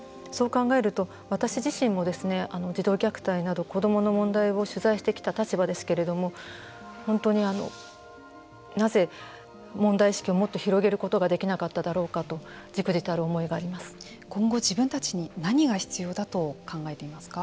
考えると私自身も児童虐待など子どもの問題を取材してきた立場ですけれども本当になぜ問題意識をもっと広げることができなかっただろうかと今後自分たちに何が必要だと考えていますか。